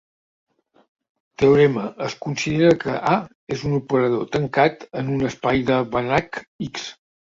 Teorema Es considera que "A" és un operador tancat en un espai de Banach "X".